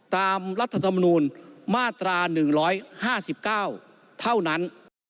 รัฐธรรมนูลมาตรา๑๕๙เท่านั้น